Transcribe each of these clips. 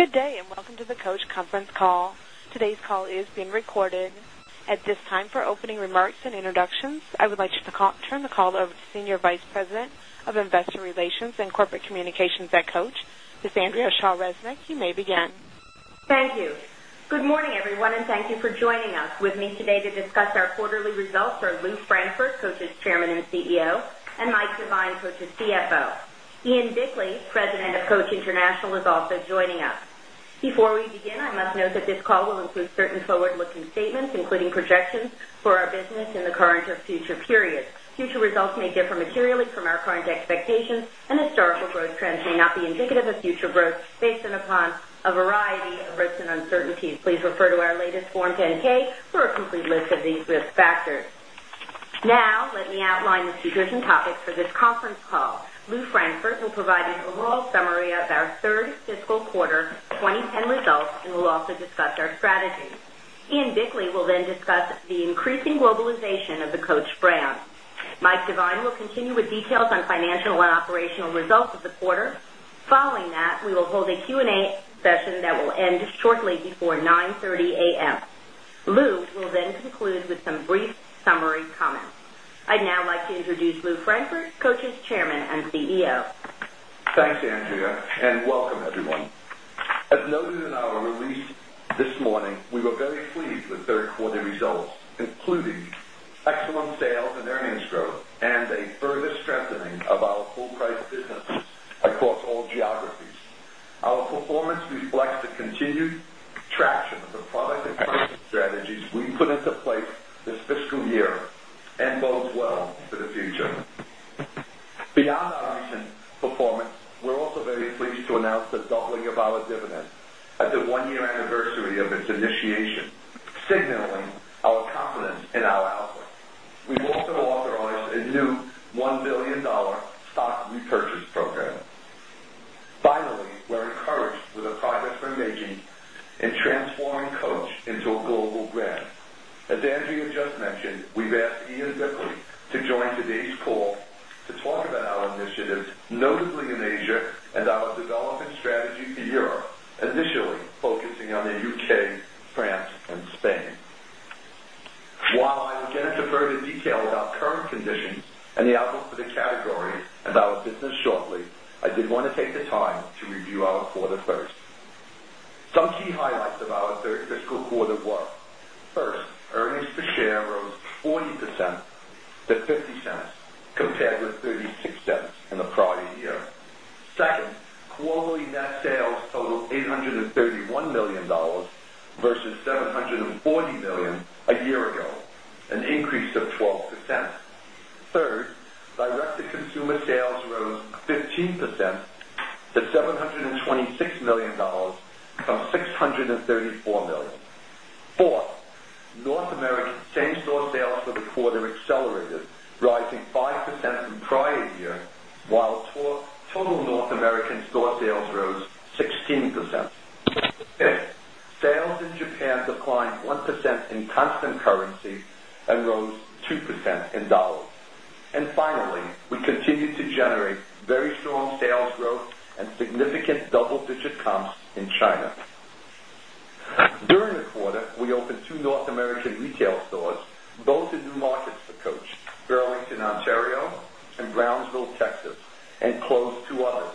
Good day and welcome to the Coach Conference Call. Today's call is being recorded. At this time, for opening remarks and introductions, I would like to turn the call over to Senior Vice President of Investor Relations and Corporate Communications at Coach, Ms. Andrea Shaw Resnick. You may begin. Thank you. Good morning, everyone, and thank you for joining us. With me today to discuss our quarterly results are Lou Brantford, Coach's Chairman and CEO and Mike Devine, Coach's CFO. Ian Bickley, President of Coach International is also joining us. Before we begin, I must note that this call will include certain forward looking statements, including projections for our business in the current or future periods. Future results may differ materially from our current expectations and historical growth trends may not be indicative of future growth based upon a variety of risks and uncertainties. Please refer to our latest Form 10 ks for a complete list of these risk factors. Now, let me outline the speakers and topics for this conference call. Lou Frank first will provide an overall summary of our 3rd fiscal quarter 2010 results and will also discuss our strategy. Ian Bickley will then discuss the increasing globalization that will end shortly before 9:30 a. M. Lou will then conclude with some brief summary comments. I'd now like to introduce Lou Frankfort, Coach's Chairman and CEO. Thanks, Andrea, and welcome, everyone. As noted in our release this morning, we were very pleased with 3rd quarter results, including excellent sales and earnings and earnings growth and a further strengthening of our full price business across all geographies. Our performance reflects the continued traction of the product and pricing strategies we put into place this fiscal year and bodes well for the future. Beyond our recent performance, we're also very pleased to announce the doubling of our dividend at the 1 year anniversary of its initiation, signaling our confidence in our outlook. We've also authorized a new $1,000,000,000 stock repurchase program. Finally, we're encouraged with the progress we're making in transforming Coach into a global brand. As Andrea just mentioned, we've asked Ian Ripley to join today's call to talk about our initiatives, notably in Asia and our development strategy for Europe initially focusing on the UK, France and Spain. While I will get into further detail about current conditions and the outlook for the categories and our business shortly, I did want to take the time to review our quarter first. Some key highlights of our 3rd fiscal quarter were: 1st, earnings per share rose 40% to $0.50 compared with $0.36 in the prior year. 2nd, globally net sales totaled $831,000,000 versus $740,000,000 a year ago, an increase of 12%. 3rd, direct to consumer sales rose 15% to $726,000,000 from 634,000,000 sales rose 16%. 5th, sales in Japan declined 1% in constant currency and rose 2% in dollars. And finally, we continue to generate very strong sales growth and significant double digit comps in China. During the quarter, we opened 2 North American retail stores, both in new markets for Coach, Burlington, Ontario and Brownsville, Texas and closed 2 others.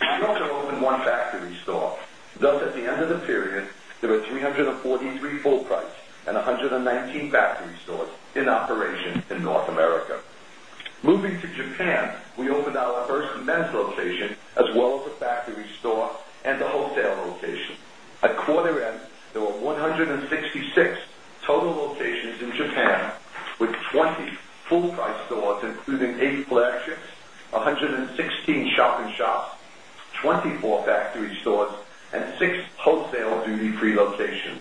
We also opened 1 factory store thus at the end of the period, there were 343 full price and 119 factory stores in operation in North America. Moving to Japan, we opened our 1st Men's location as well as the factory store and the wholesale location. At quarter end, there were 166 total locations in Japan with 20 full price stores, including 8 collections, 100 and 16 shopping shops, 24 factory stores and 6 wholesale duty free locations.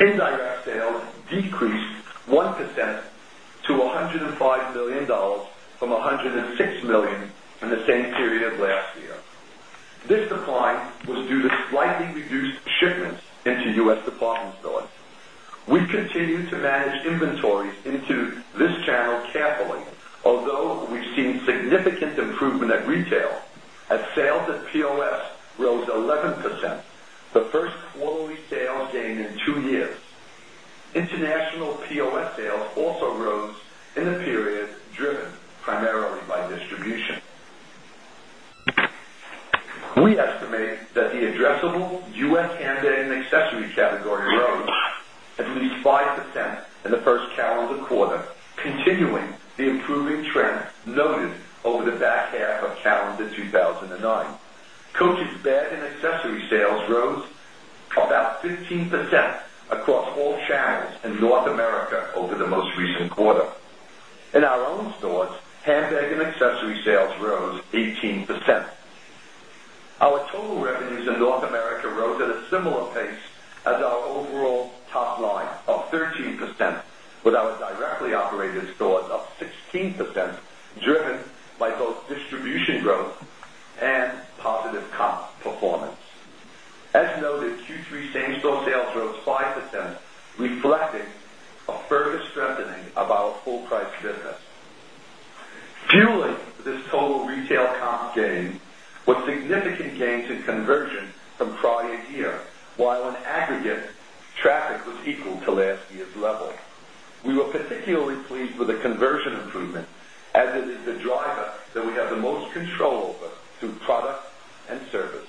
In direct sales decreased 1% to $105,000,000 from $106,000,000 in the same period of last year. This decline was due to slightly reduced shipments into U. S. Department stores. We continue to manage inventories into the by distribution. We estimate that the addressable U. S. And A and accessory of calendar 2009. Coaches bed and accessories sales rose about 15% across all channels in North America over the most recent quarter. In our own stores, handbag and accessory sales rose 18%. Our total revenues in North America rose at a similar pace as our overall top line of 13 percent with our directly operated stores up 16% driven by both distribution growth and positive comp performance. As noted, Q3 same store sales rose 5%, reflecting a further strengthening of our full price business. Fueling this total retail comp gain was significant gains in conversion from prior year, while in aggregate traffic was equal to last year's level. We were particularly pleased with the conversion improvement as it is the driver that we have the most control over through product and service.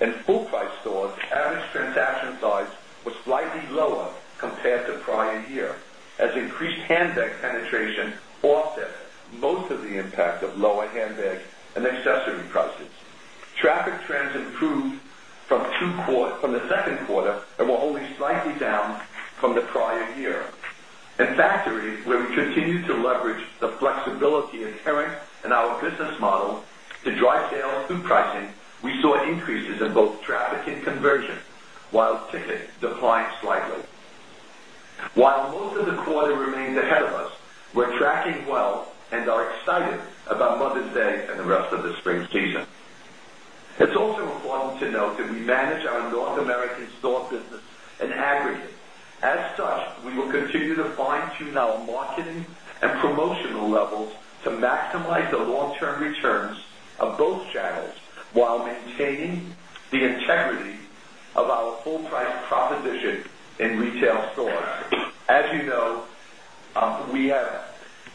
In full price stores, average transaction size was slightly lower compared to prior year as increased handbag penetration offset most of the impact of lower handbags and accessory prices. Traffic trends improved from 2 quarters from the Q2 and were only slightly down from the prior year. And factory, where we continue to leverage the flexibility of Terence and our business model to drive sales through pricing, we saw increases in both traffic and conversion, while ticket declined slightly. While most of the quarter remained ahead of us, we're tracking well and are excited about Mother's Day and the rest of the spring season. It's also important to note that we manage our North American store business in aggregate. As such, we will continue to fine tune our marketing and promotional levels to maximize the long term returns of both channels, while maintaining the integrity of our full price proposition in retail stores. As you know, we have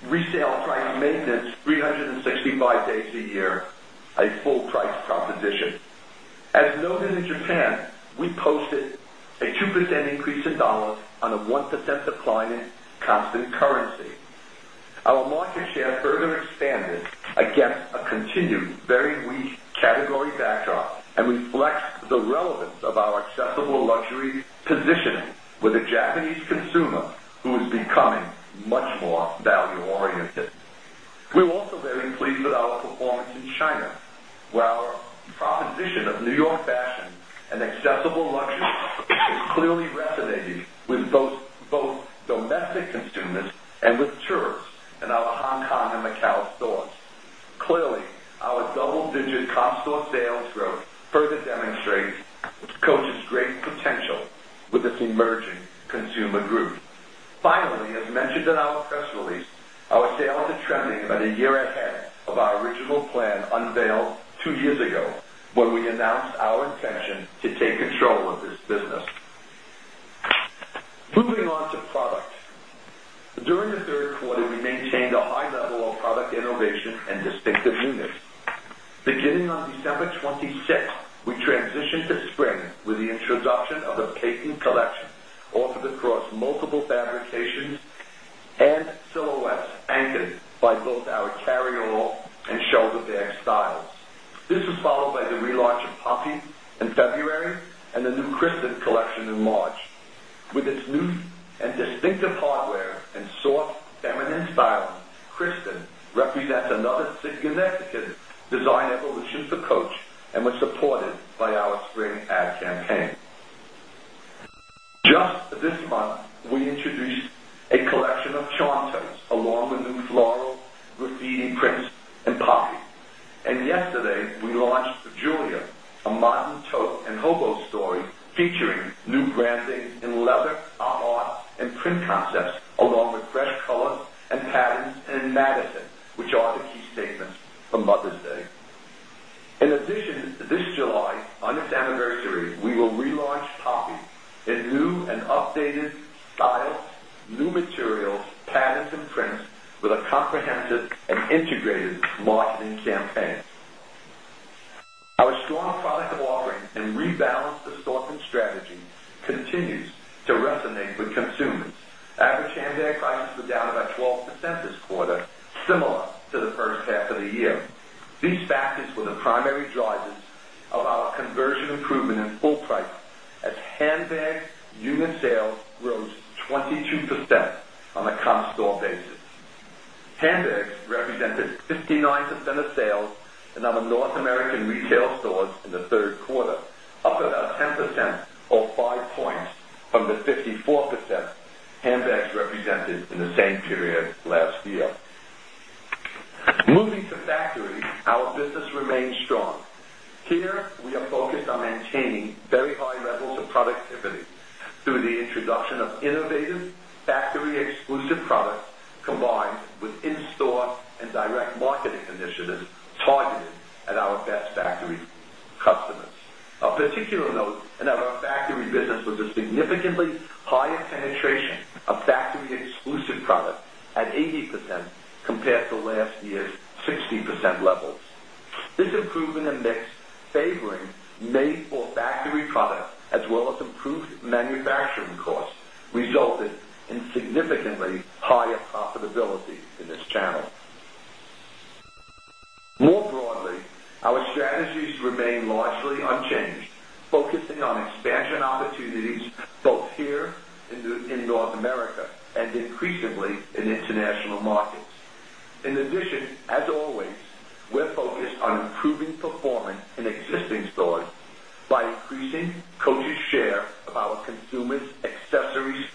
resale price maintenance 360 5 days a year, a full price proposition. As noted in Japan, we posted a 2% increase in dollars on a one percent decline in constant currency. Our market share further expanded against a continued very weak category backdrop and reflects the relevance of our accessible luxury positioning with a Japanese consumer who is becoming much more value oriented. We're also very pleased with our performance in China, where our proposition of New York fashion and accessible luxury is clearly resonating with both domestic consumers and with tourists in our Hong Kong and Macau stores. Clearly, our double digit comp store sales growth further demonstrates Coach's great potential with this emerging consumer group. Finally, as mentioned in our press release, our sales are trending about a year ahead of our original plan unveiled 2 years ago when we announced our intention to take control of this business. Moving on to product. Moving on to product. During the Q3, we maintained a high level of product innovation and distinctive to spring with the introduction of the patent collection offered across multiple fabrications and silhouettes anchored by both our carry on and shoulder bag styles. This was followed by the relaunch of Puffy in February and the new Kristen collection in March. With its new and distinctive hardware and soft feminine style, Kristen represents another significant design evolution for Coach and was supported by our spring ad campaign. Just this month, we introduced a collection of charm totes along with new floral, graffiti prints and poppies. And yesterday, we launched the Julia, a modern tote and hobo story featuring new branding in leather, art and print concepts along with fresh colors and patterns and in Madison, which are the key statements from Mother's Day. In addition, this July, on its anniversary, we will relaunch Poppy, a new and updated styles, new materials, patents and prints with a comprehensive and integrated marketing campaign. Our strong product offering and rebalanced assortment strategy continues to resonate with consumers. Average handbag prices were down about 12 percent this quarter, similar to the first half of the year. These factors were the primary drivers of our conversion improvement in full price as handbags unit sales rose 22% on a comp store basis. Handbags represented 50 9% of sales in other North American retail stores in the 3rd quarter, up about 10% or 5 points from the 54% handbags represented in the same period last year. Moving to factory, our business remains strong. Here, we are focused on maintaining very high levels of productivity through the introduction of innovative factory exclusive products combined with in store and direct marketing initiatives targeted at our best factory customers. Of particular note, in our factory business was a significantly higher penetration of factory exclusive product at 80% compared to last year's 60% levels. This improvement in mix favoring made for factory products as well as improved manufacturing costs resulted in significantly higher profitability in this channel. More broadly, our strategies remain largely unchanged, focusing on expansion opportunities both here in North America and increasingly in international markets. In addition, as always, we're focused on improving performance in existing stores by increasing Coaches' share of our consumers' accessories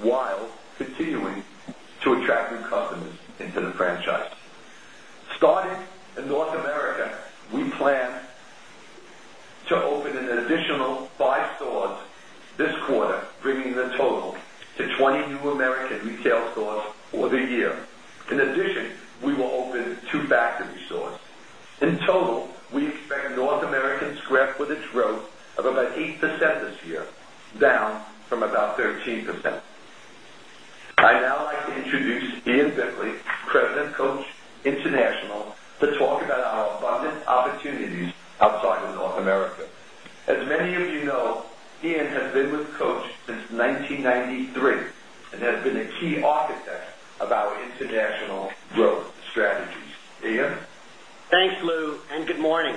wardrobe, while continuing to attract new customers into the franchise. Starting in North America, we plan to open an additional 5 stores this quarter, bringing the total to 20 new American retail stores for the year. In addition, we will open 2 Coach International, to talk about our abundant opportunities outside of North America. As many of you know, Ian has been with Coach since 1993 and has been a key architect of our international growth strategies. Ian? Thanks, Lou, and good morning.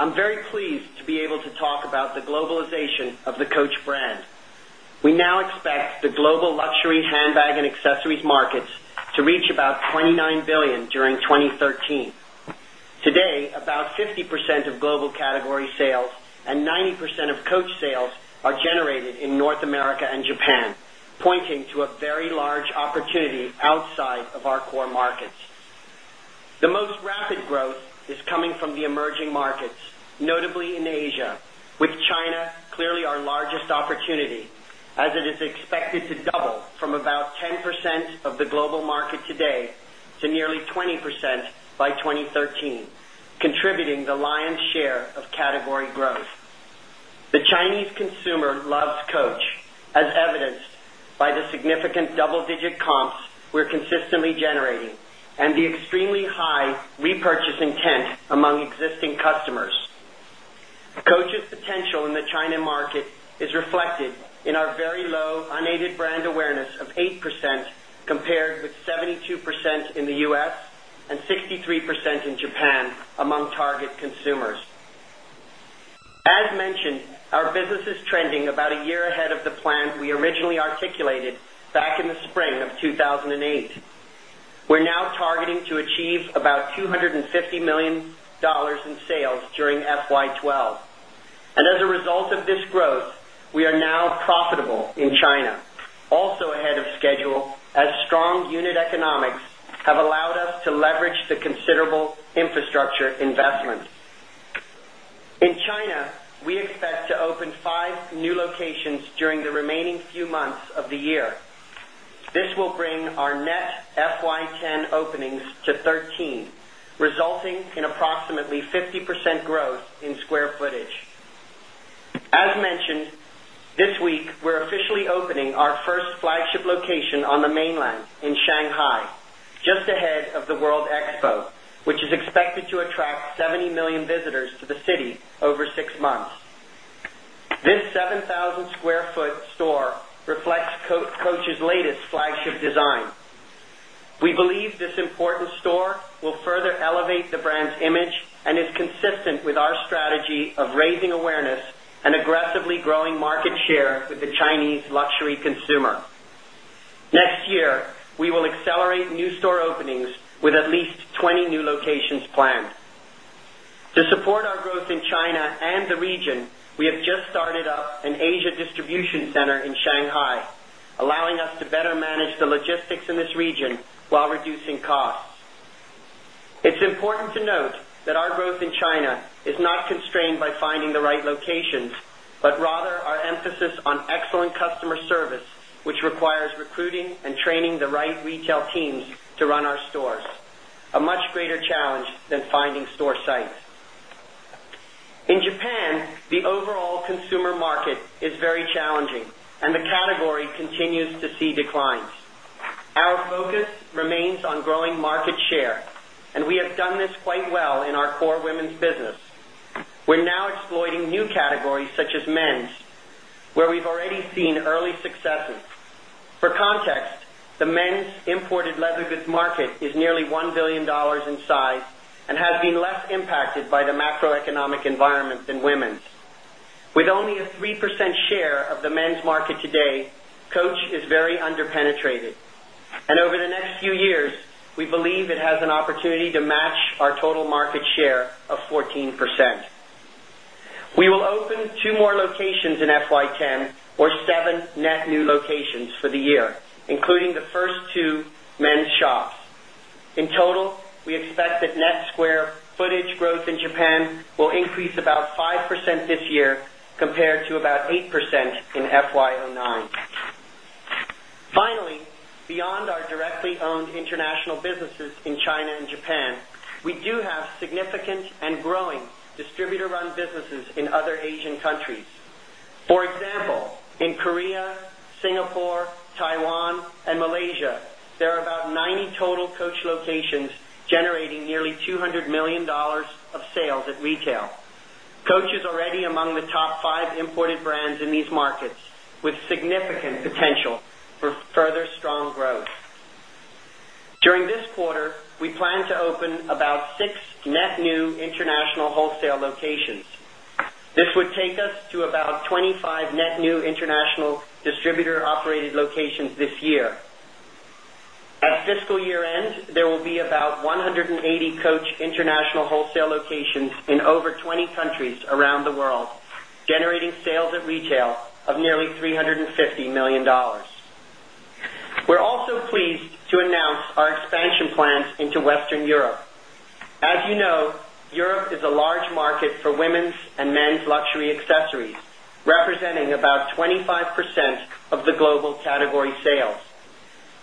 I'm very pleased to be able to talk about the globalization of the Coach brand. We now expect the global luxury handbag and accessories markets to reach about 29,000,000,000 during 20 50% of global category sales and 90% of Coach sales are generated in North America and Japan, pointing to a very large opportunity outside of our core markets. The most rapid growth is coming from the emerging markets, notably in Asia, China clearly our largest opportunity, as it is expected to double from about 10% of the global market today to nearly 20% by 2013, contributing the lion's share of category growth. The The the extremely high repurchase intent among existing customers. Coach's potential in S. And 63% in Japan among target consumers. As mentioned, our business is trending about a year ahead of the plan we originally articulated back in the spring of 2,008. We're now targeting to achieve about 250,000,000 dollars in sales during FY 2012. And as a result of this growth, we are now profitable in China, also ahead of schedule as strong unit economics have allowed us to leverage the considerable infrastructure investments. In China, we expect to open 5 new locations during the remaining few months of the year. This will bring our net FY 'ten openings to 13, resulting in approximately 50% growth in square footage. As mentioned, this week we're officially opening our first flagship location on the mainland in Shanghai, just ahead of the World Expo, which is expected to attract 70,000,000 visitors the city over 6 months. This 7,000 square foot store reflects Coach's latest flagship design. We believe this important store will further elevate the brand's image and is consistent with our strategy of raising awareness and aggressively growing market share with the Chinese luxury consumer. Next year, we will accelerate new store openings with at least 20 new locations planned. To support our growth in China and the region, we have just started up an Asia distribution center in Shanghai, allowing us to better manage right locations, but rather our emphasis on excellent customer service, which requires recruiting and training the right retail teams to run our stores, a much greater challenge than finding store sites. In Japan, the overall consumer market is very challenging and the category continues to see declines. Our focus remains on growing market share and we have done this quite well in our core women's business. We're now exploiting new categories such as men's where we've already seen early successes. For context, the men's imported leather goods market is nearly $1,000,000,000 in size and has been less impacted by the macroeconomic environment than women's. With only a 3% share of the men's market today, Coach is very underpenetrated. And over the next few years, we believe it has an opportunity to match our an net square footage growth in Japan will increase about 5% this year compared to about 8% in FY 'nine. Finally, beyond our directly owned international businesses in China and Japan, we do have significant and growing distributor run businesses in other Asian countries. For example, in Korea, Singapore, Taiwan and Malaysia, there are about 90 total Coach locations generating nearly $200,000,000 of sales at retail. Coach is already among the top 5 imported brands in these markets with significant potential for further strong growth. During this quarter, we plan to open about 6 net new international wholesale locations. This would take us to about 25 net new international distributor operated locations this year. At fiscal year end, there will be about 180 Coach international wholesale locations in over 20 countries around the world, generating sales at retail of nearly 350,000,000 dollars We're also pleased to announce our expansion plans into Western Europe. As you know, Europe is a large market for women's and men's luxury accessories, representing about 25% of the global category sales.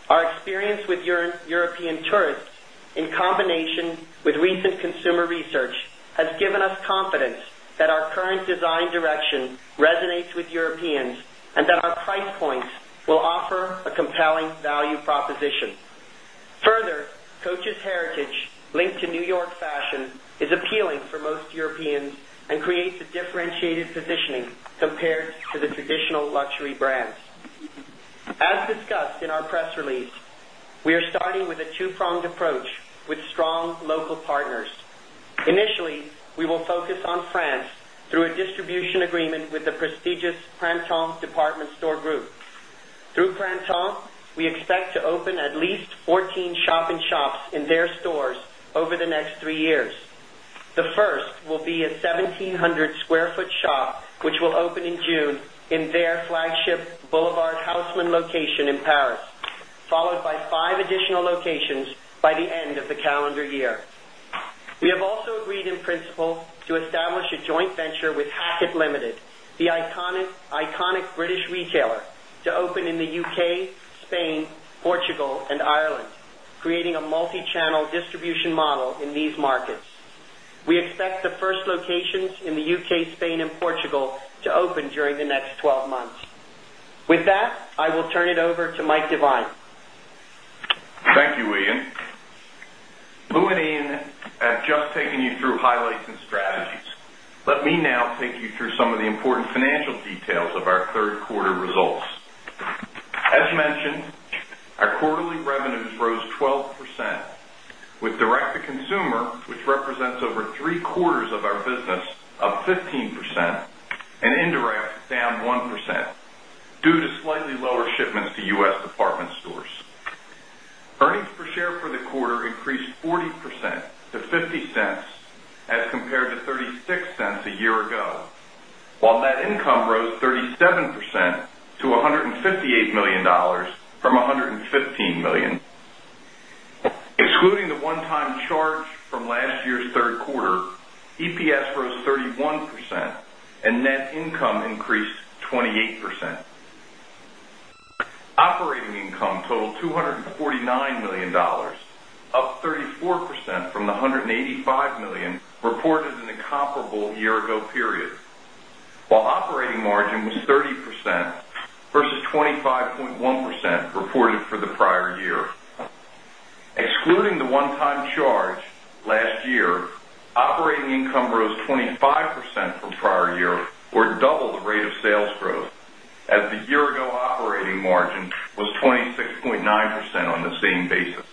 Our experience with European Tourists in combination with recent consumer research has given us confidence that our current design direction resonates with Europeans and that our price points will offer a compelling value proposition. Further, Coach's heritage linked to New York fashion is appealing for most Europeans and creates a differentiated positioning compared to the traditional luxury brands. As discussed in our press release, we are starting with a 2 pronged approach with strong local partners. Initially, we will focus on France through a distribution agreement with the prestigious The first will be a 1700 square foot shop, which will open in June in their flagship Boulevard Hausmann location in Paris, followed by 5 additional locations by the end of the calendar year. We have also agreed in principle to establish a joint venture with Hackett Limited, the iconic British retailer to open in the UK, Spain, Portugal and Ireland, creating a multi channel distribution model in these markets. We expect the first locations in the UK, Spain and Portugal to open during the next 12 months. With that, I will turn it over to Mike Devine. Thank you, Ian. Lou and Ian have just taken you through highlights and strategies. Let me now take you through some of the important financial direct to consumer, which represents over 3 quarters of our business, up 15% and indirect down 1% due to slightly lower shipments to U. S. Department stores. Earnings per share for the quarter increased 40% to $0.50 as compared to $0.36 a year ago, while net income rose 37% to $158,000,000 from $115,000,000 Excluding the one time charge from last year's Q3, Operating income totaled $249,000,000 up 34% from the 185,000,000 dollars reported in the comparable year ago period, while operating margin was 30% versus 25.1% reported for the prior year. Excluding the one time charge last year, operating income rose 25% from prior year or double the rate of sales growth as the year ago operating margin was 26.9% on the same basis.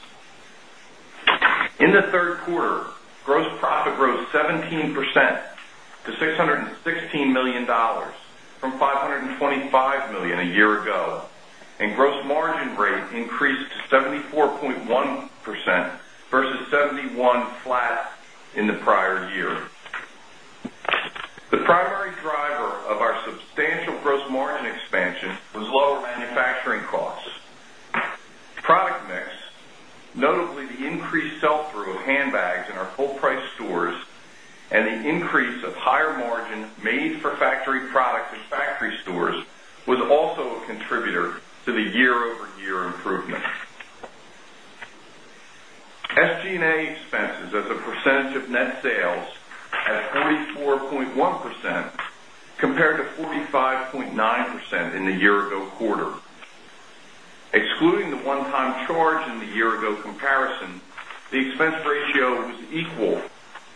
In the Q3, gross profit rose 17 percent to $616,000,000 from $525,000,000 a year and gross margin rate increased to 74.1 percent versus 71% flat in the prior year. The primary driver of our substantial gross margin expansion was lower manufacturing costs. Product mix, notably the increased sell through of handbags in our full price stores and the increase of higher margin made for factory SG and A expenses as a percentage of net sales at 44.1% compared to 45.9% in the year ago quarter. Excluding the one time charge in the year ago comparison, the expense ratio was equal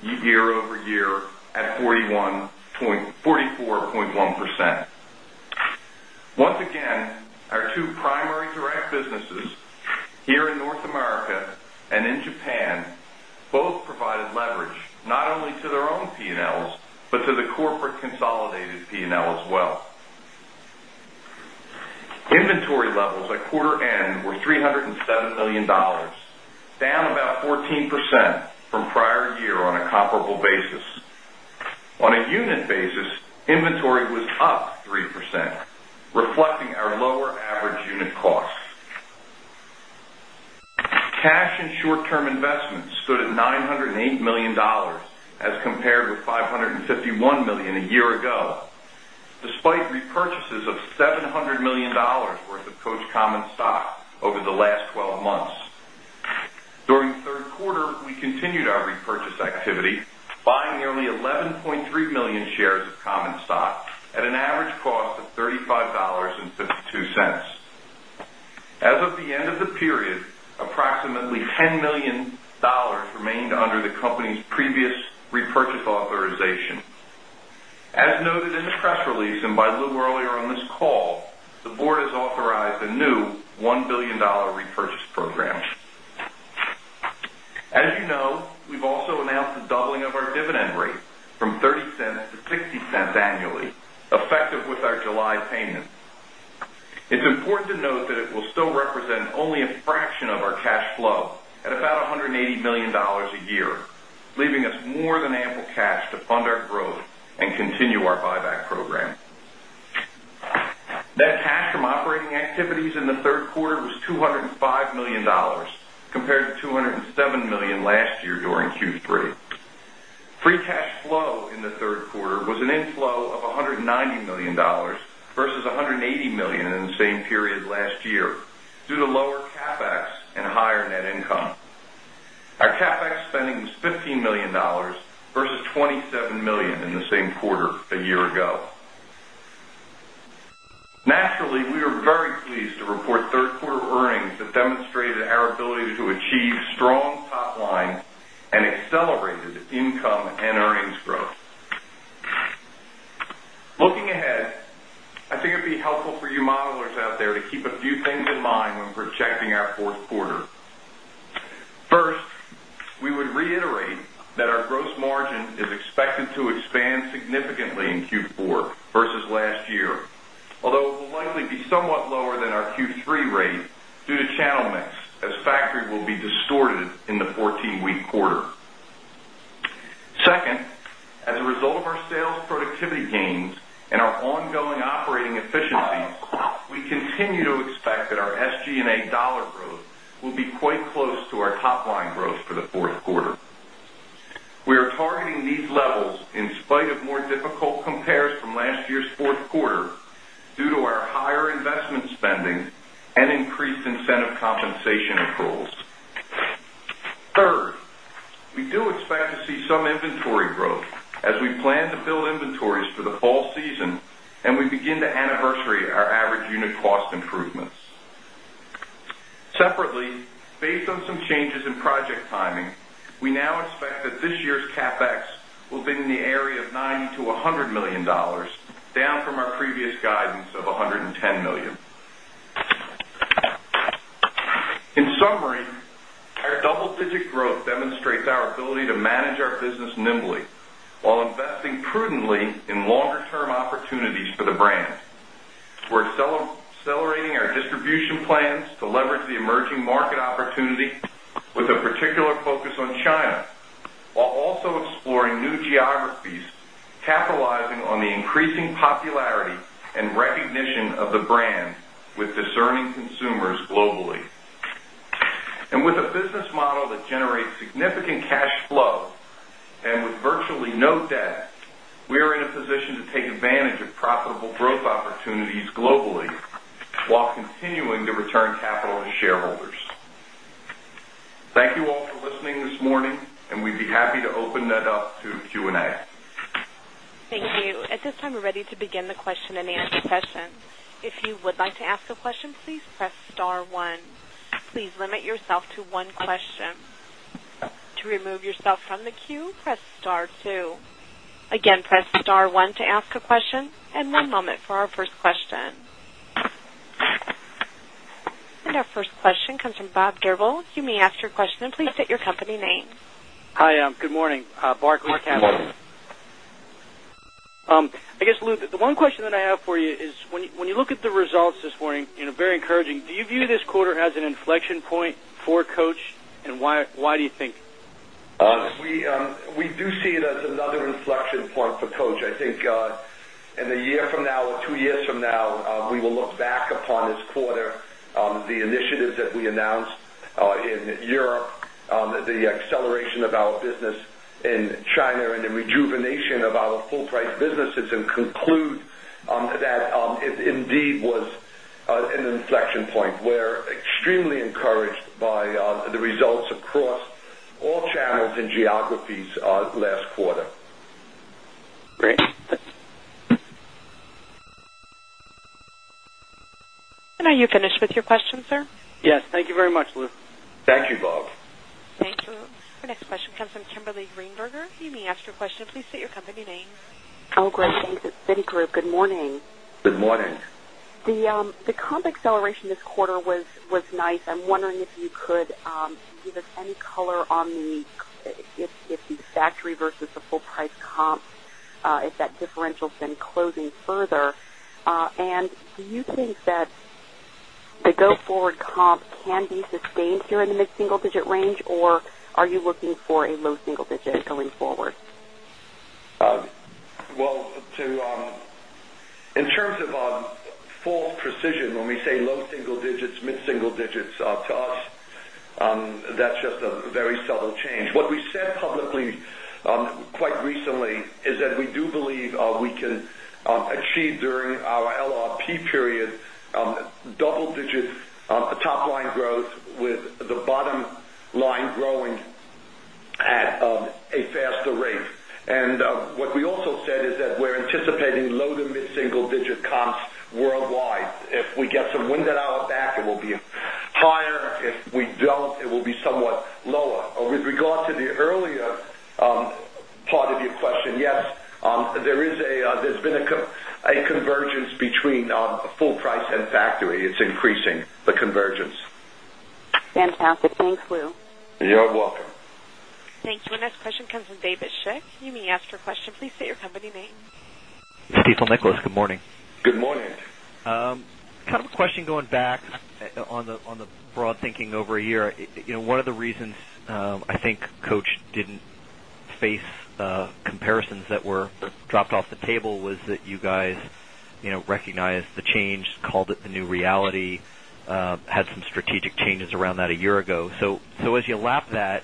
year over year at 44.1%. Once again, our 2 primary direct businesses here in North America and in Japan both provided leverage not only to their own P and Ls, but to the corporate consolidated P and L as well. Inventory levels at quarter end were 3 $7,000,000 down about 14% from prior year on a comparable basis. On a unit basis, inventory was up 3%, reflecting our lower average unit costs. Cash and short term investments stood at $908,000,000 as compared with $551,000,000 a year ago, During the Q3, we continued our repurchase activity buying nearly 11,300,000 shares of common stock at an average cost of 35.5 $2 As of the end of the period, approximately $10,000,000 remained under the company's previous repurchase authorization. As noted in the press release and by little earlier on this call, the Board has authorized a new $1,000,000,000 repurchase program. As you know, we've also announced the doubling of our dividend rate from flow at about $180,000,000 a year, leaving us more than ample cash to fund our growth and continue our buyback program. Net cash from operating activities in the Q3 was $205,000,000 compared to $207,000,000 last year during Q3. Free cash flow in the Q3 was an inflow of $190,000,000 versus $180,000,000 in the same period last year due to lower CapEx and higher net income. Our CapEx spending was $15,000,000 versus $27,000,000 in the same quarter a year ago. Naturally, we are very pleased to report 3rd quarter earnings that demonstrated our ability to achieve strong top line and accelerated income and earnings growth. Looking ahead, I think it would be helpful for you modelers out there to keep a few things in mind when we're checking our 4th quarter. First, we would reiterate that our gross margin is expected to expand significantly in Q4 versus last year, although it will likely be somewhat lower than our Q3 rate due to channel mix as factory will be distorted in the 14 week quarter. 2nd, as a result of our sales productivity gains and our on ongoing operating efficiencies, we continue to expect that our SG and A dollar growth will be quite close to top line growth for the Q4. We are targeting these levels in spite of more difficult compares from last year's Q4 due to our higher investment spending and increased incentive compensation accruals. 3rd, we do expect to see some inventory growth as we plan to build inventories for the fall season and we begin to anniversary our average unit cost improvements. Separately, based on some changes in project timing, we now expect that this year's CapEx will be in the area of $90,000,000 to $100,000,000 down from our previous guidance of 110,000,000 dollars In summary, our double digit growth demonstrates our ability to manage our business nimbly, while investing prudently in longer term opportunities for the brand. We're accelerating our distribution plans to leverage the emerging market opportunity with a significant cash flow and with virtually no debt, we are in a position to take advantage of profitable growth opportunities I guess, Luke, the one question that I have for you is when you look at the results this morning, very encouraging, do you view this quarter as an inflection point for Coach and why do you think? We do see it as another inflection point for Coach. I think in the year from now or 2 years from now, we will look back upon this quarter. The initiatives that we announced in Europe, the acceleration of our business in China and the rejuvenation of our full price businesses and conclude that it indeed was an inflection point. We're extremely encouraged by the results across all channels and geographies last quarter. Great. And are you finished with your question, sir? Yes. Thank you very much, Louis. Thank you, Bob. Thank you. The next question comes from Kimberly Greenberger. You may ask your question. Please state your company name. Great. Thanks. It's Citigroup. Good morning. Good morning. The comp acceleration this quarter was nice. I'm wondering if you could give us any color on the if the factory versus the full price comp, if that differential has been closing further? And do you think that the go forward comp can be sustained here in the mid single digit range or are you looking for a low single digit going forward? Well, in terms of our false precision, when we say low single digits, mid single digits to us, that's a very subtle change. What we said publicly quite recently is that we do believe we can achieve during our LRP period double digit top line growth with the bottom line growing at a faster rate. And what we also said is that we're anticipating low to mid single digit comps worldwide. If we get some wind at our back, it will be higher. If we don't, it will be somewhat lower. With regard to the earlier part of your question, yes, there's been a convergence between full price and factory. It's increasing the convergence. Fantastic. Thanks, Lou. You're welcome. Thank you. Our next question comes from David Schick. You may ask your question. Please state your company name. Stifel Nicolaus, good morning. Good morning. Kind of a question going back on the broad thinking over a year. One of the reasons I think Coach didn't face comparisons that were dropped off the table was that you guys guys recognized the change, called it the new reality, had some strategic changes around that a year ago. So as you lap that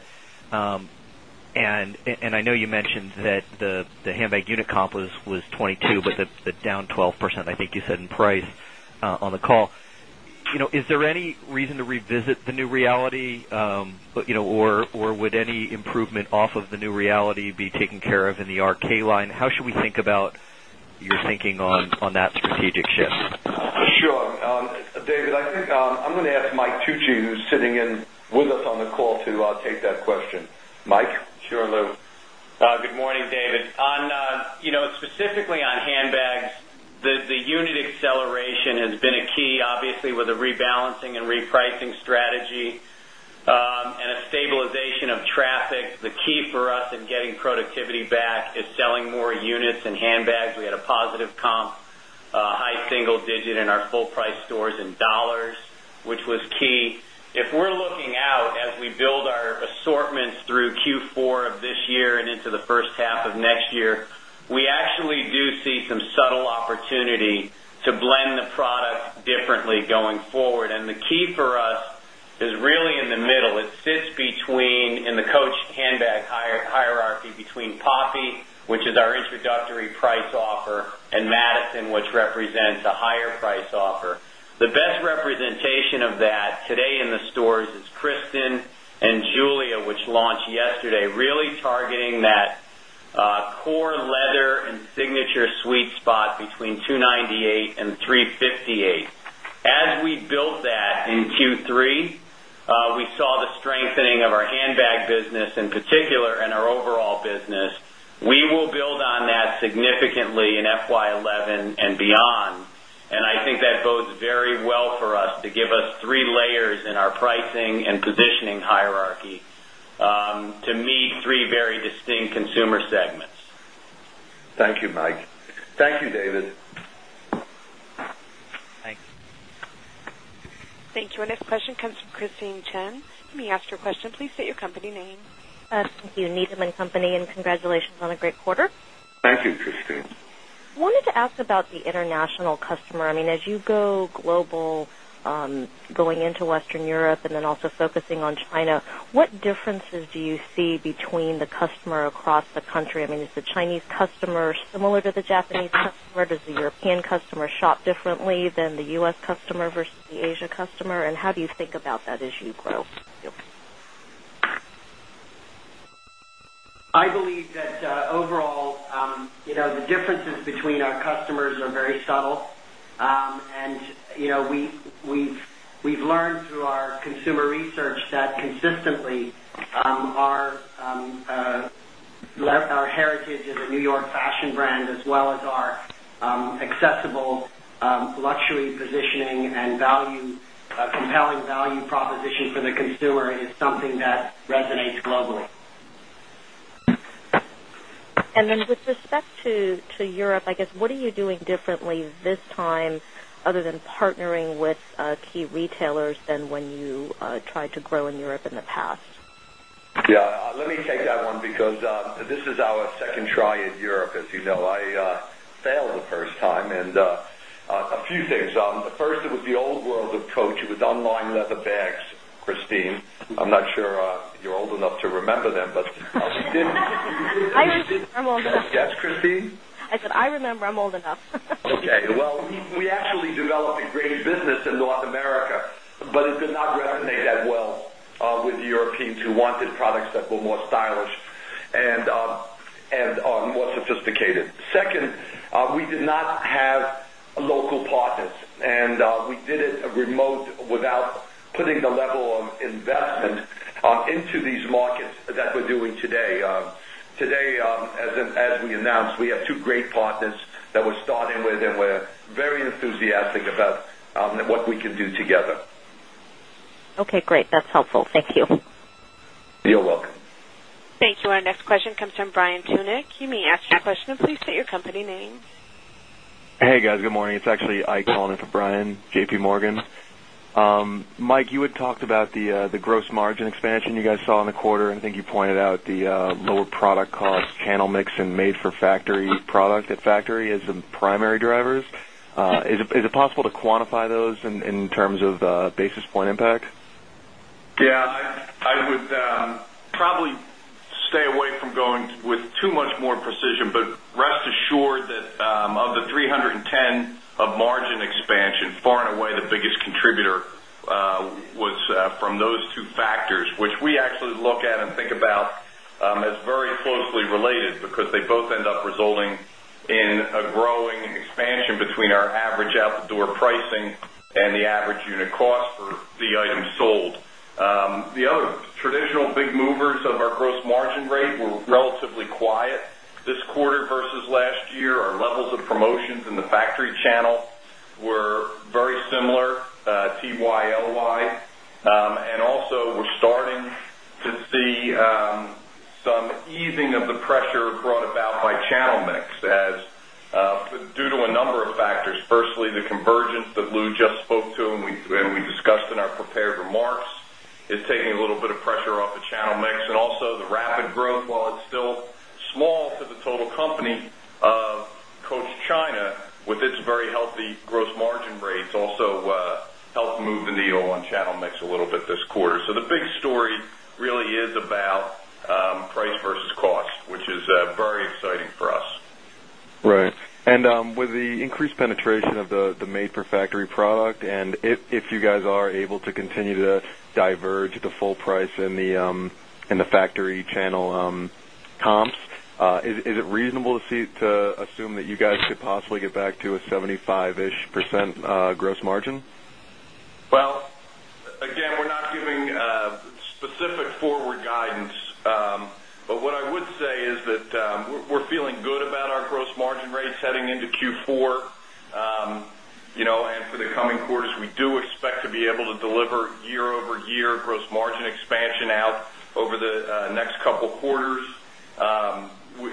and I know you mentioned that the handbag unit comp was 22%, but down 12%, I think you said in price on the call. Is there any reason to revisit the new reality or would any improvement off of the new reality be taken care of in the RK line? How should we think about your thinking on that strategic shift? Sure. David, I think I'm going to ask Mike Tucci, who's sitting in with us on the call to take that question. Mike? Sure, Lou. Good morning, David. On specifically on handbags, rebalancing and repricing strategy and a stabilization of traffic, the key for us in getting productivity back is selling more units and handbags. We had a a assortments through Q4 of this year and into the first half of next year, we actually do see some subtle opportunity to opportunity to blend the product differently going forward. And the key for us is really in the middle. It sits between in the Coach handbag hierarchy between Poppy, which is our introductory price offer, Madison, which represents a higher price offer. The best representation of that today in the stores is Kristen and Julia, which launched yesterday, really targeting that yesterday, really targeting that core leather and Signature sweet spot between $298,000,000 $3.58 As we built that in Q3, we saw the strengthening of our handbag business in particular in our overall business. We will build on that significantly in FY11 beyond. And I think that positioning hierarchy. To me, 3 very distinct Thank you. Thank you. Our next question comes from Christine Chen. You may ask your question please state your company name. Thank you, Needham and Company, and congratulations on a great quarter. Thank you, Christine. I wanted to ask about the international customer. I mean, as you go global, going into Western Europe and then also focusing on China, what differences do you see between the customer across the country? I mean, is the Chinese customer similar to the Japanese customer? Does the European customer shop differently than the U. S. Customer versus the Asia customer and how do you think about that as you grow? I believe that overall, the differences between our customers are very subtle. And we've learned through our consumer research that consistently our heritage is consumer is something that resonates globally. And then with respect to Europe, I guess, what are you doing differently this time other than partnering with key retailers than when you tried to grow in Europe in the past? Yes. Let me take that one because this is our 2nd try in Europe. As you know, I failed the first time and a few things. The first, it was the old world of Coach. It was online without the bags, Christine. I'm not sure you're old enough to remember them, but I remember I'm old enough. Yes, Christine? I said, I remember I'm old enough. Okay. Well, we actually developed a great business in North America, but it did not resonate that well with the Europeans who wanted products that were more stylish and are more sophisticated. 2nd, we did not have local partners and we did it remote without putting the level of investment into these markets that we're doing today. Today, as we announced, we have 2 great partners that we're starting with and we're very enthusiastic about what we can do together. Okay, great. That's helpful. Thank you. You're welcome. Thank you. Our next question comes from Brian Tunick. You may ask your question. Please state your company name. Hey, guys. Good morning. It's actually Ike calling in for Brian, JPMorgan. Mike, you had talked about the gross margin expansion you guys saw in the quarter. I think you pointed out the lower product cost channel mix and made for factory product at factory as the primary drivers. Is it possible to quantify those in terms of basis point impact? Yes, I would probably stay away from going with too much more precision, but rest assured that of the 310 of margin expansion far and away the biggest resulting in a growing expansion between our average outdoor pricing and the average unit cost for the items sold. The other traditional big movers of our gross margin rate were relatively quiet this quarter versus last year. Our levels of promotions in the factory channel were very similar, TYLY. And also we're starting to see some and we discussed in our prepared remarks is taking a little bit of pressure off the channel mix and also the rapid growth while it's still small for the total company of Coach China with its very healthy gross margin rates also helped move the needle on channel mix a little bit this quarter. So the big story really is about price versus cost, which is very exciting for us. Right. And with the increased penetration of the made for factory product and if you guys are able to continue to diverge the full price in the factory channel comps. Is it reasonable to assume that you guys could possibly get back to a 75 ish percent gross margin? Well, again, we're not giving specific forward guidance, But what I would say is that we're feeling good about our gross margin rates heading into Q4. And for the coming quarters, we do expect to be able to deliver year over year gross margin expansion out over the next couple of quarters.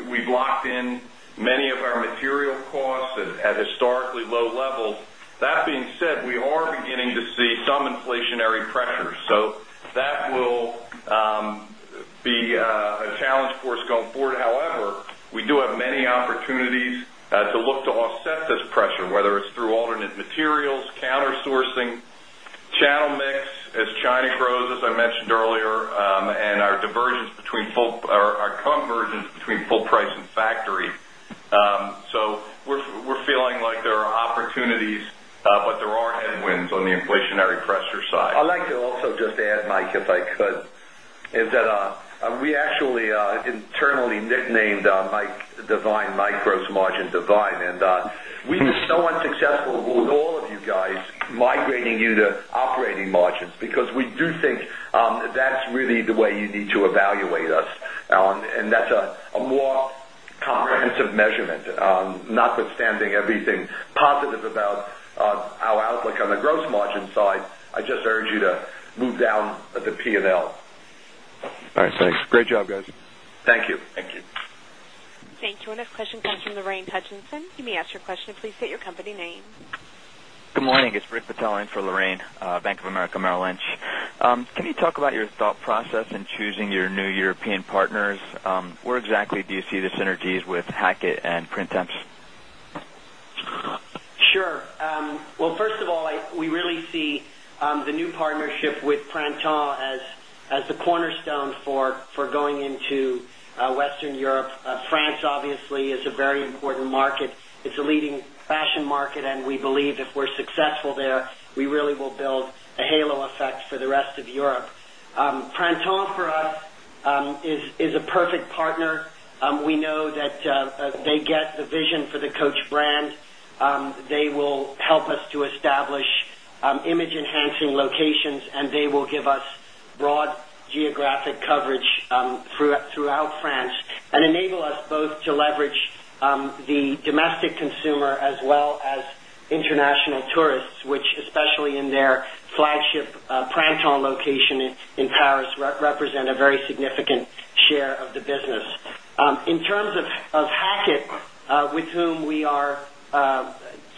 We've locked in many of our material costs at historically low levels. That being said, we are beginning to see some inflationary pressures. So that will be a challenge for us going forward. However, we do have many opportunities to look to offset this pressure whether it's through alternate materials, counter sourcing, channel mix as China grows, as I mentioned earlier, and our divergence between full our convergence between full price and factory. So we're feeling like there are opportunities, but are headwinds on the inflationary pressure side. I'd like to also just add, Mike, if I could, is that we actually internally nicknamed Mike divine, my gross margin divine. And we are so unsuccessful with all of you guys migrating you to operating margins because we do think that's really the way you need to evaluate us. And that's a more comprehensive measurement, not with down the P and L. All right, thanks. Great job guys. Thank you. Thank you. Thank you. Our next question comes from Lorraine Hutchinson. You may ask your question. Please state your company name. Good morning. It's Rick Patel in for Lorraine, Bank of America Merrill Lynch. Can you talk about your thought process in choosing your new European partners? Where exactly do you see the synergies with Hackett and Printemps? Sure. Well, first of all, we really see the new partnership with Printemps as the cornerstone for going into Western Europe. France obviously is a very important market. It's a leading fashion market and we believe if we're successful there, we really will build a halo effect for the rest of Europe. Printemps for us is a perfect partner. We know that they get the vision for Coach brand. They will help us to establish image enhancing locations and they will give us broad geographic coverage throughout France and enable us both to leverage consumer as well as international tourists, which especially in their flagship Printer location in Paris represent a very significant share of the business. In terms of Hackett with whom we are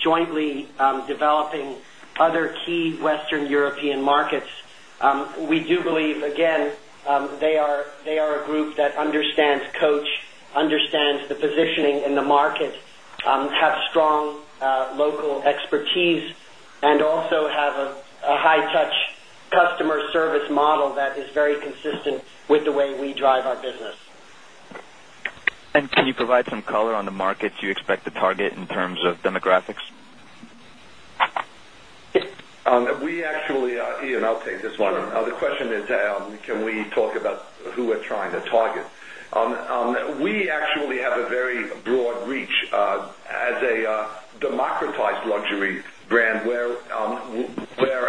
jointly developing other key Western European markets. We do believe again they are a group that high touch customer high touch customer service model that is very consistent with the way we drive our business. And can you are Ian, I'll take this one. The question is, can we talk about who we're trying to target? We actually have a very broad reach as a democratized luxury brand where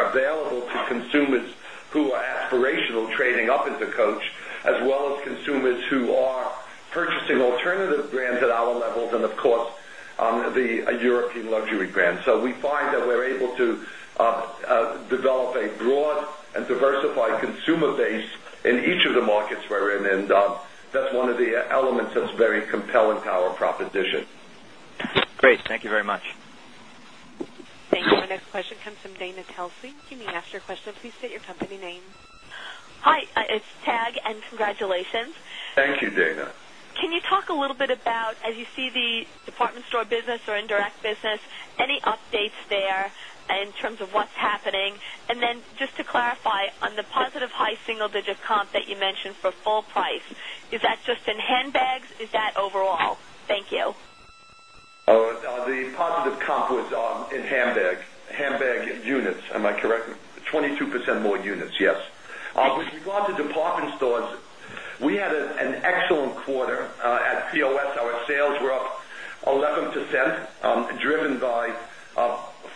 available to consumers who are aspirational trading up into Coach as well as consumers who are find that we're able to develop a broad and diversified consumer base in each of the markets we're in and that's one of the elements that's very compelling to our proposition. Great. Thank you very much. Thank you. Our next question comes from Dana Telsey. You may ask your question. Please state your company name. Hi, it's Tag and congratulations. Can you talk a little bit about as you see the department store business or indirect business, any updates there in terms of what's happening? And then just to clarify on the positive high single digit comp that you mentioned for Full Price, is that just in handbags, is that overall? Thank you. The positive comp was in handbag units, am I correct? 22% more units, yes. With regard to department stores, we had an excellent quarter at POS. Our sales were up 11%, driven by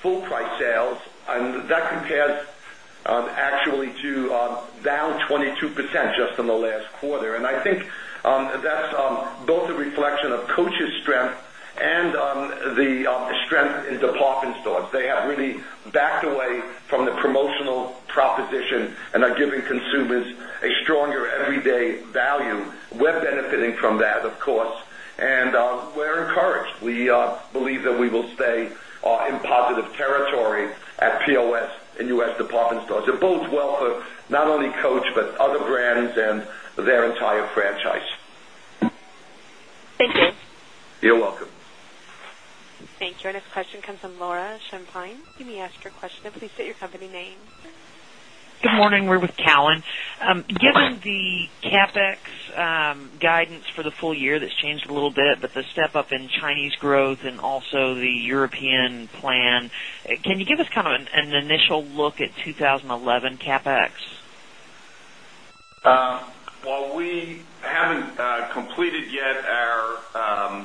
full price sales and that compares actually to down 22% just in the last quarter. And I think that's both a reflection of Coach's strength and the strength in department stores. They have really backed away from the promotional proposition and are giving consumers a stronger everyday value. We're benefiting from that of course and we're encouraged. We believe that we will stay in positive territory at POS in U. S. Department stores. It bodes well for not only Coach, but other brands and their entire franchise. Thank you. You're welcome. Thank you. Our next question comes from Laura Champine. You may ask Please state your company name. Good morning. We're with Cowen. Given the CapEx guidance for the full year that's changed a little bit, but the step up in Chinese growth and also the European plan. Can you give us kind of an initial look at 2011 CapEx? Well, we haven't completed yet our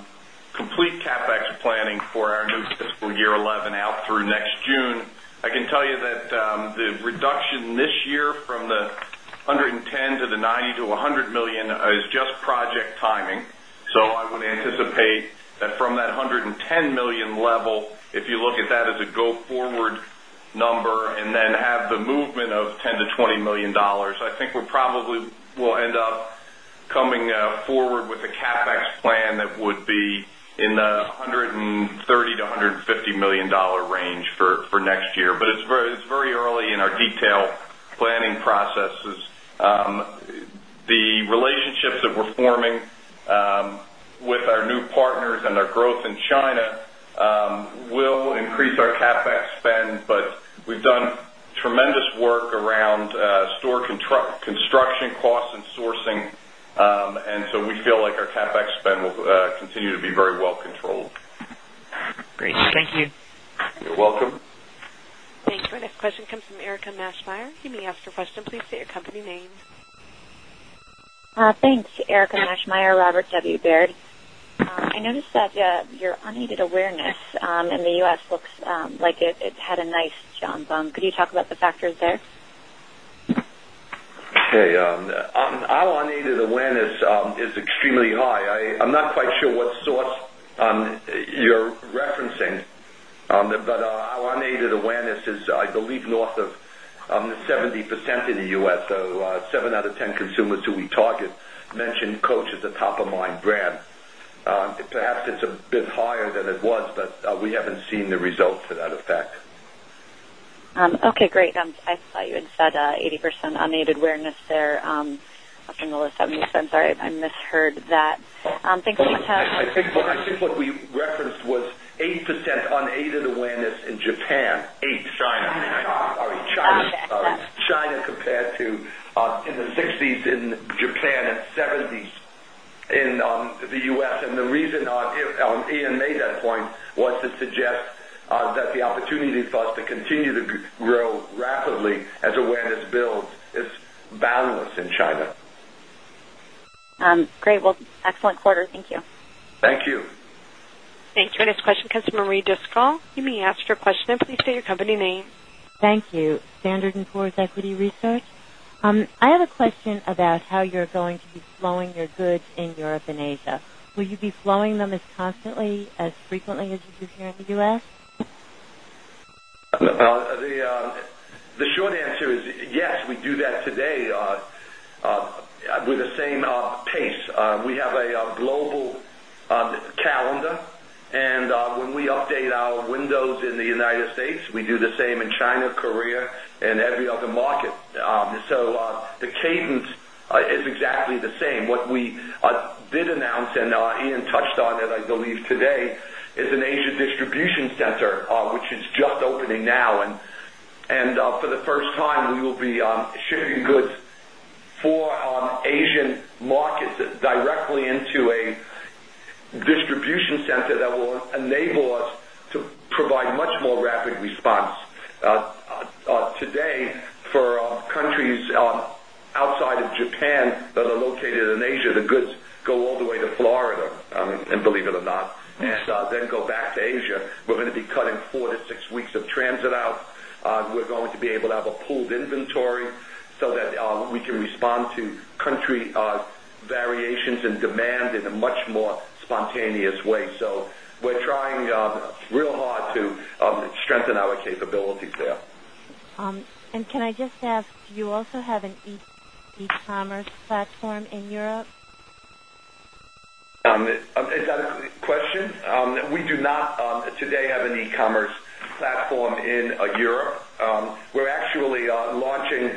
complete CapEx planning for our new fiscal year 11 out through next June. I can tell you that the reduction this year from the $110,000,000 to the $90,000,000 to $100,000,000 is just project timing. So I would anticipate that from that $110,000,000 level, if you look at that as a go forward number and then have the movement of $10,000,000 to $20,000,000 I think we probably will end up coming forward with a CapEx plan that would be in the $130,000,000 to $150,000,000 range for next year, but it's very early in our detailed planning processes. The relationships that we're forming with our new partners and their growth in China will increase our CapEx spend, but we've done tremendous work around store construction costs and sourcing. And so we feel like our CapEx spend will continue to be very well controlled. Our next question comes from Erika Maschmeyer. You may ask your question please state your company name. Thanks. Erica Nashmeyer, Robert W. Baird. I noticed that your unaided awareness in the U. S. Looks like it had a nice jump. Could you talk about the factors there? Okay. Our unaided awareness is extremely high. I'm not quite sure what source you're referencing, but our unaided awareness is I believe north of 70% in the U. S. So 7 out of 10 consumers who we target mentioned Coach as a top of mind brand. Perhaps it's a bit higher than it was, but we haven't seen the results for that effect. I thought you had said 80% unaided awareness there, I think the low 70%, sorry, I misheard that. I think what we referenced was 8% unaided awareness in Japan, 8% China compared to in the 60s in Japan and 70s in the U. S. And the reason Ian made that point was to suggest that the opportunity for us to continue to grow rapidly as awareness builds is boundless in China. Great. Well, excellent quarter. Thank you. Thank you. Thank you. Our next question comes from Marie Diskall. You may ask your question and please state your company name. Thank you. Standard and Poor's Equity Research. I have a question about how you're going to be flowing your goods in Europe and Asia. You be flowing them as constantly as frequently as you do here in the U. S? The short answer is yes, we do that today. I answer is yes, we do that today with the same pace. We have a global calendar. And when we update our windows in the United States, we do the same in China, Korea and every other market. So the cadence is exactly the same. What we did announce and Ian touched on it, I believe today is an Asia distribution center, which is just opening now. And for the first time, we will be shipping goods for Asian markets directly into a distribution center that will enable us to in Asia, the goods go all the way to Florida and believe it or not, and then go back to Asia. We're going to be cutting 4 to 6 weeks of transit out. We're going to be able to have a pooled inventory so that we can respond to country variations in demand in a much more spontaneous way. So we're trying real hard to strengthen our capabilities there. And can I just ask, do you also have an e commerce platform in Europe? It's not a question. We do not today have an e commerce platform in Europe. We're actually launching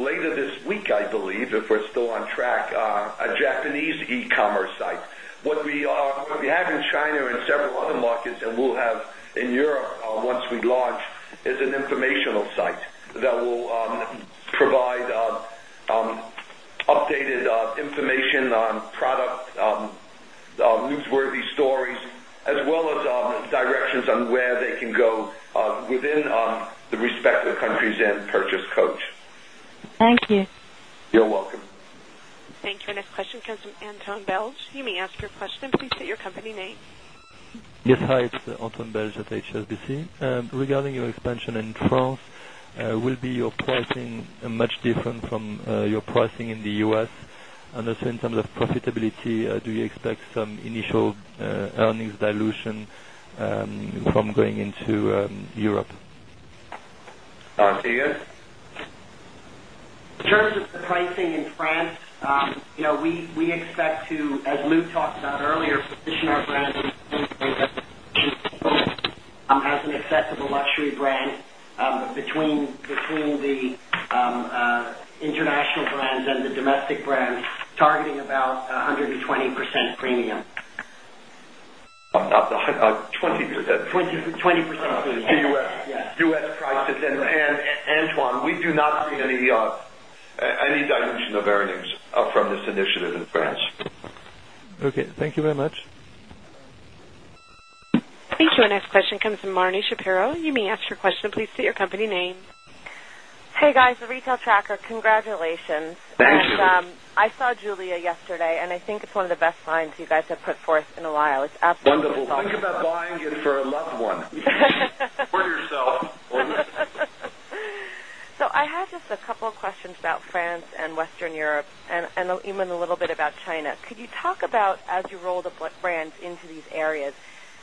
later this week, I believe, if we're still on track, a Japanese e commerce site. What we have in China and several other markets and we'll have in Europe once we launch is an informational site that will provide updated information on product, Luke's worthy stories as well as directions on where they can go within the respective countries and purchase coach. Thank you. You're welcome. Anton Belge. You may ask your question. Please state your company name. Yes. Hi. It's Anton Belge at HSBC. Regarding your expansion in France, will be your pricing much different from your pricing in the U. S? And also in terms of profitability, do you expect some initial earnings dilution from going into Europe? On to you? In terms of the pricing in France, we expect to, as Lou talked about earlier, position our brand has an acceptable luxury brand between the international brands and the domestic brands targeting about 120% premium. 20% of the U. S. Prices and Antoine, we do not see any dilution of earnings from this initiative in France. Okay. Thank you very much. Thank you. Our next question comes from Marni Shapiro. You may ask your question. Please state your company name. Hey guys, the retail tracker, congratulations. Thanks. I saw Julia yesterday and I think it's one of the best lines you guys have put forth in a while. So I have just a couple questions about France and Western Europe and even a little bit about China. Could you talk about as you roll the brands into these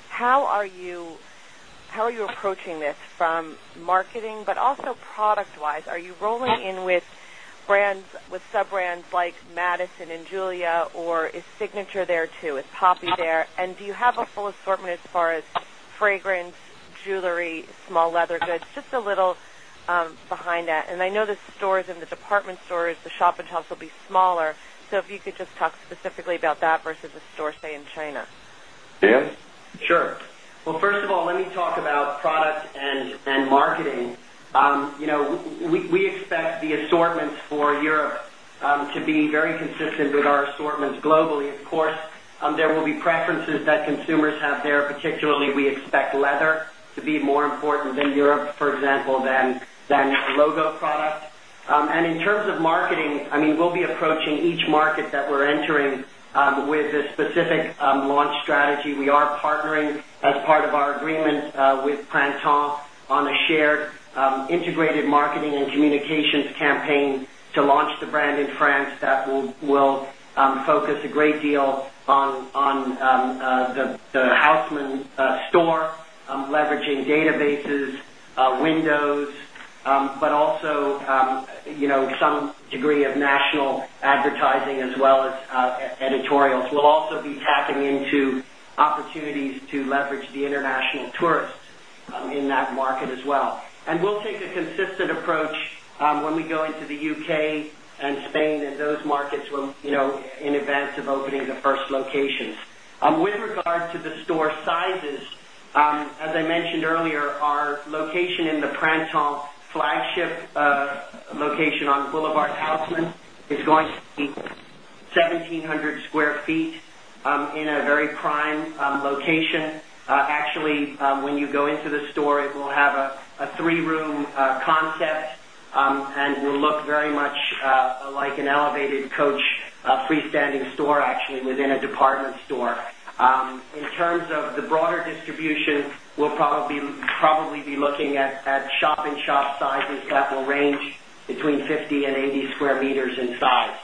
how are you approaching this from marketing, but also product wise? Are you rolling in with brands with sub brands like Madison and Julia or is Signature there too? Is Poppy there? And do you have a full assortment as far as fragrance, jewelry, small leather goods, just a little behind that? And I know the stores and the department stores, the shop and shops will be smaller. So if you could just talk specifically about that versus the store, say in China? Yes. Sure. Well, first of all, let me talk about products and marketing. We expect the assortments for Europe to be very consistent with our assortments globally. Of course, there will be preferences that consumers have there, specific we'll be approaching each market that we're entering with a specific launch strategy. We are partnering as part of our agreement with Plantin on a shared integrated marketing and communications campaign to launch the brand in France that will focus a great deal on the houseman store, leveraging databases, windows, but also some degree of national advertising as well as editorials. We'll also be tapping into opportunities to leverage the international tourists in that market as well. And we'll take a consistent approach when we go into the U. And Spain and those markets in advance of opening the first locations. With regard to the store sizes, as I mentioned earlier, our location in the Prainton flagship location on Boulevard, Houseman is going to be 1700 Square Feet in a very prime location. Actually, when you go into the store, it will have a 3 room concept and will look very much like an elevated coach freestanding In terms of the broader distribution, we'll probably be looking at shop in shop sizes that will range between 50 and 80 square meters in size.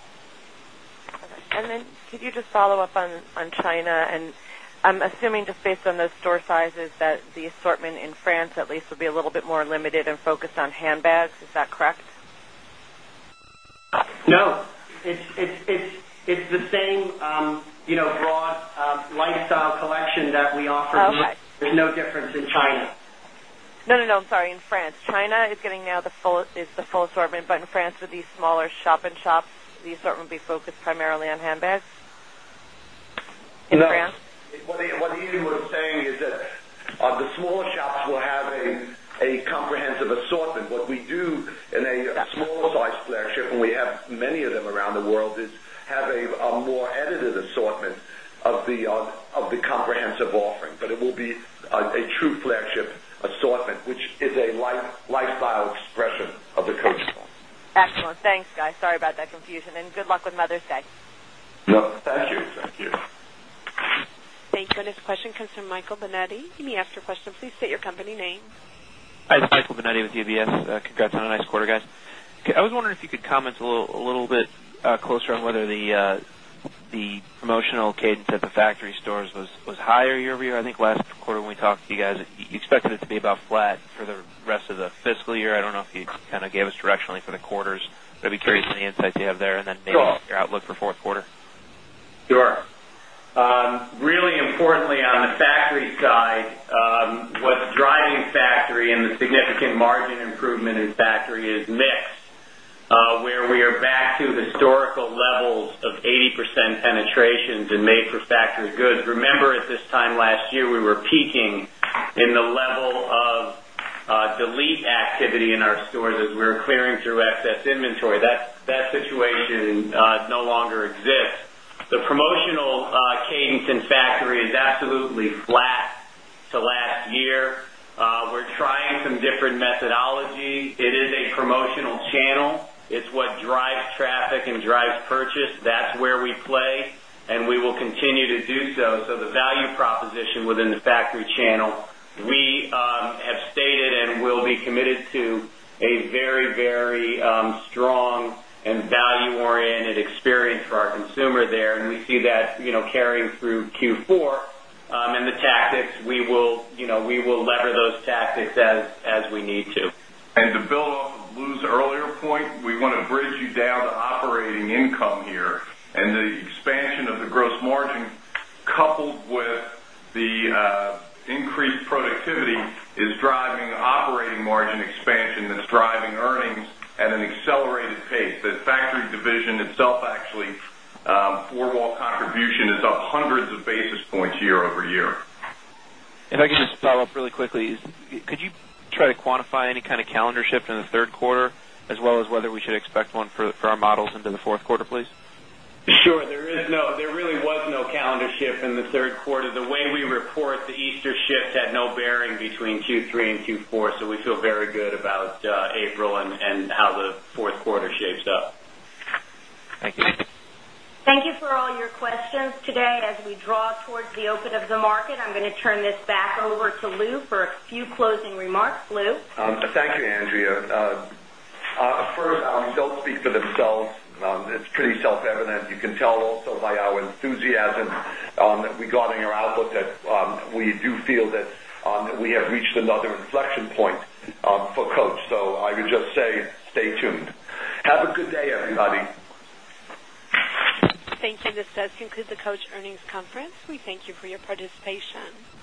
And then could you just follow-up on China and I'm assuming just based on those store sizes that the assortment in France at least will be a little bit more limited and focused on handbags. Is that correct? No, it's the same broad lifestyle collection that we offer, there's no difference in China. No, no, no, I'm sorry, in France. China is getting now the full is the full assortment, but in France with these smaller shop in shops, the assortment be focused primarily on handbags? In France? What Yvesu was saying is that the smaller shops will have a comprehensive assortment. What we do in a small size flagship and we have many of them around the world is have a more edited assortment of the comprehensive offering, but it will be a true flagship assortment, which is a lifestyle expression of the Coach's law. Excellent. Thanks, guys. Sorry about that confusion and good luck with Mother's Day. Thank you. Thank you. Thank you. Our next question comes from Michael Binetti. You may ask your question please state your company name. Hi, it's Michael Binetti with UBS. Congrats on a nice quarter guys. I was wondering if you could comment a little bit closer on whether the promotional cadence at the factory stores was higher year over year. I think last quarter when we talked to you guys, you expected it to be about flat for the rest of the fiscal year. Don't know if you kind of gave us directionally for the quarters, but I'd be curious on the insights you have there and then maybe your outlook for Q4? Sure. Really importantly on the factory side, what's driving factory and the significant margin improvement in factory is mix, where we are back to historical levels of 80% penetrations in made for factory goods. Remember at this time last year, we were peaking in the level of delete activity in our stores as we're clearing through excess inventory that situation no longer exists. The promotional cadence in factory is absolutely flat and drives purchase. That's where we play and we will continue to do so. So the value proposition within the factory channel, we have stated and will be committed to a very, very strong and value oriented experience for our consumer there and we see that carrying through Q4 and the tactics we will lever those tactics as we need to. And to build off Lou's earlier point, we want to bridge you down operating income here and the expansion of the gross margin coupled with the increased productivity is driving operating margin expansion that's driving earnings factory division itself actually 4 wall contribution is up 100 of basis points year over year. If I could just follow-up really quickly, could you try to quantify any kind of calendar shift in the Q3 as well as whether we should expect one for our models into the Q4, Sure. There is no there really was no calendar shift in the Q3. The way we report the Easter shift had no bearing between Q3 and Q4. So we feel very good about April and how the Q4 shapes up. Thank you. Thank you for all your questions today. As we draw towards the open of the market, I'm going to turn this back over to Lou for a few closing remarks. Lou? Outlook that we do feel enthusiasm regarding our outlook that we do feel that we have reached another inflection point for Coach. So I would just say stay tuned. Have a good day everybody. Thank you. This does conclude the Coach earnings conference. We thank you for your participation.